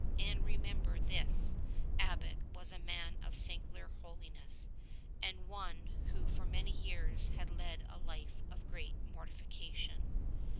And, remember, this Abbot was a man of singular holiness, and one who for many years had led a life of great mortification.